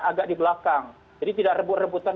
agak di belakang jadi tidak rebut rebutan